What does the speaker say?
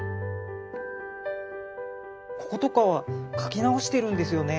こことかは描き直してるんですよね。